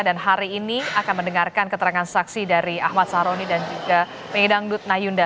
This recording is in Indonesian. dan hari ini akan mendengarkan keterangan saksi dari ahmad saroni dan juga pengidang dut nayunda